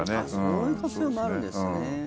そういう活用もあるんですね。